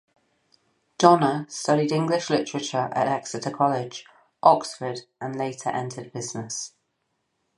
Donner studied English literature at Exeter College, Oxford and later entered business.